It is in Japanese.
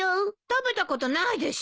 食べたことないでしょ。